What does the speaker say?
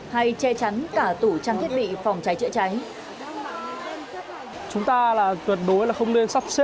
hay che chắn cả tủ trang thiết bị phòng cháy chữa cháy